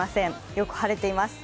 よく晴れています。